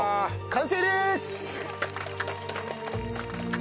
完成です！